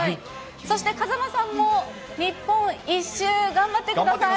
そして風間さんも日本一周、頑張ってください。